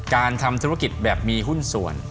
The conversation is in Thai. การทำธุรกิจแบบมีหุ้นส่วน